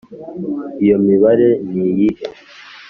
[iyo mibare niyihe?